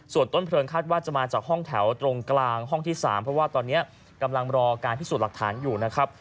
ส่วนต้นเพลิงคาดว่าจะมาจากห้องแถวตรงกลางห้องที่๓เพราะว่าตอนนี้กำลังรอการพิสูจน์หลักฐานอยู่นะครับ